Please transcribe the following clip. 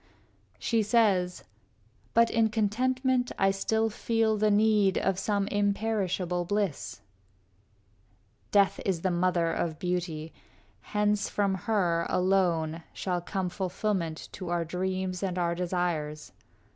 V She says, "But in contentment I still feel The need of some imperishable bliss." Death is the mother of beauty; hence from her, Alone, shall come fulfillment to our dreams And our desires.